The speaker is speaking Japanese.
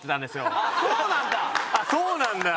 あっそうなんだ！